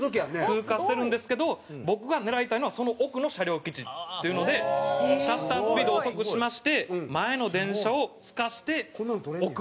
通過してるんですけど僕が狙いたいのはその奥の車両基地っていうのでシャッタースピードを遅くしまして前の電車を透かして奥の列車を撮るという。